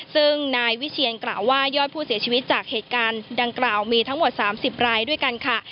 ซึ่งนายวิเชียนกล่าวว่ายอดผู้เสียชีวิตจากเหตุการณ์ดังกล่าวมีทั้งหมด๓๐รายด้วยกันค่ะ